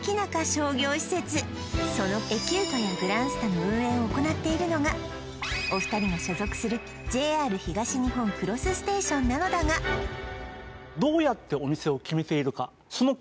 商業施設そのエキュートやグランスタの運営を行っているのがお二人が所属するＪＲ東日本クロスステーションなのだがこちらなんですね